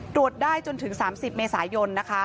ตรวจได้จนถึง๓๐เมษายนนะคะ